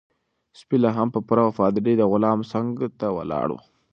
سپی لا هم په پوره وفادارۍ د غلام څنګ ته ولاړ و.